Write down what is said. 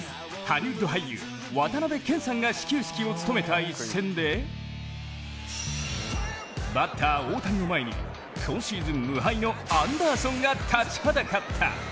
ハリウッド俳優・渡辺謙さんが始球式を務めた一戦でバッター・大谷の前に今シーズン無敗のアンダーソンが立ちはだかった。